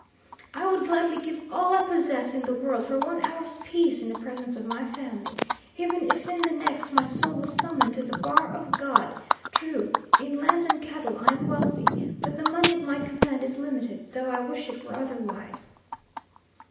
"I would gladly give all I possess in the world for one hour's peace in the presence of my family, even if in the next my soul was summoned to the bar of God. True, in lands and cattle I am wealthy, but the money at my command is limited, though I wish it were otherwise."